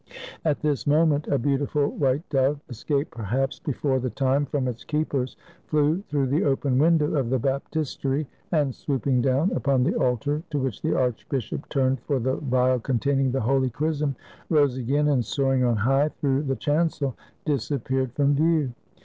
At this moment a beautiful white dove — escaped perhaps before the time from its keepers — flew through the open window of the baptistery, and swooping down upon the altar, to which the archbishop turned for the vial containing the holy chrism, rose again, and soaring on high through the chancel, disappeared from view.